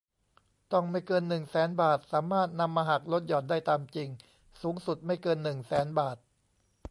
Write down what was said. ต้องไม่เกิน หนึ่งแสน บาท สามารถนำมาหักลดหย่อนได้ตามจริง สูงสุดไม่เกิน หนึ่งแสน บาท